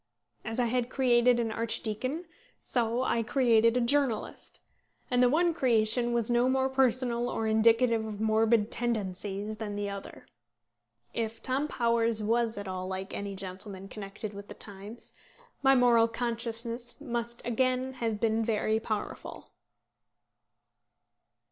As I had created an archdeacon, so had I created a journalist, and the one creation was no more personal or indicative of morbid tendencies than the other. If Tom Towers was at all like any gentleman then connected with the Times, my moral consciousness must again have been very powerful.